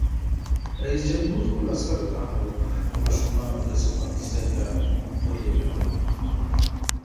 رئیس جمهور خپلو عسکرو ته امر وکړ؛ ماشومان او ښځې خوندي ځای ته ولېلوئ!